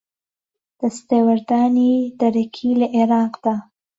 دەستێوەردانی دەرەکی لە عێراقدا